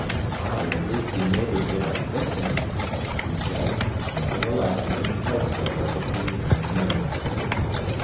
"I'd as lief be neighbours with a vixen," he said, nevertheless making place for her between him and Miriam.